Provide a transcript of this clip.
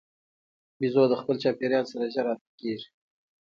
بیزو د خپل چاپېریال سره ژر عادت کېږي.